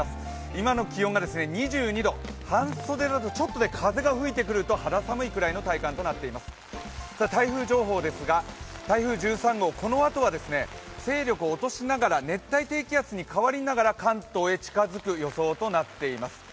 今の気温が２２度、半袖だとちょっと風が吹いてくると肌寒いくらいの体感となっています、台風情報ですが、台風１３号、このあとは勢力を落としながら熱帯低気圧に変わりながら関東へ近づく予想となっています。